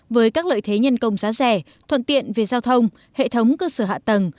với các lợi thế nhân công giá rẻ thuận tiện về giao thông hệ thống cơ sở hạ tầng